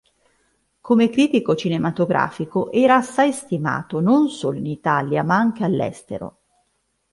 Come critico cinematografico era assai stimato non solo in Italia ma anche all'estero.